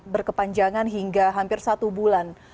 berkepanjangan hingga hampir satu bulan